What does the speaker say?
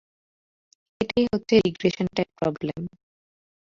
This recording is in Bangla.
এটাই হচ্ছে রিগ্রেশন টাইপ প্রবলেম।